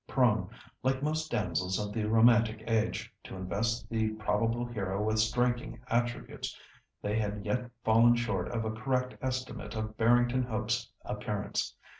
Prone, like most damsels of the romantic age, to invest the probable hero with striking attributes, they had yet fallen short of a correct estimate of Barrington Hope's appearance.